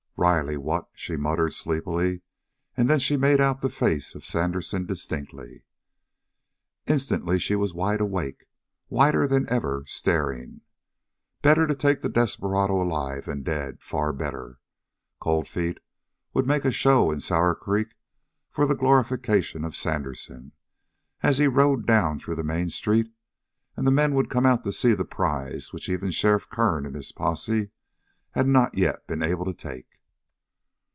"Riley what " she muttered sleepily and then she made out the face of Sandersen distinctly. Instantly she was wide awake, whiter than ever, staring. Better to take the desperado alive than dead far better. Cold Feet would make a show in Sour Creek for the glorification of Sandersen, as he rode down through the main street, and the men would come out to see the prize which even Sheriff Kern and his posse had not yet been able to take.